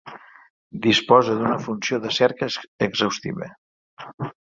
Disposa d'una funció de cerca exhaustiva.